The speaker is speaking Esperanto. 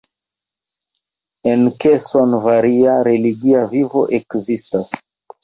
En Keson varia religia vivo ekzistas.